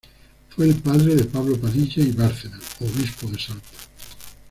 Fue el padre de Pablo Padilla y Bárcena, obispo de Salta.